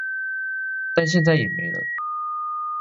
但現在也沒了